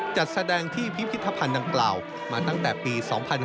จัดแสดงที่พิพิธภัณฑ์ดังกล่าวมาตั้งแต่ปี๒๕๕๙